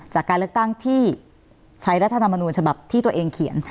จากการเลือกตั้งที่ใช้รัฐธรรมนูญฉบับที่ตัวเองเขียน